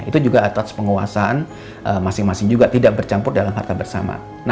itu juga atas penguasaan masing masing juga tidak bercampur dalam harta bersama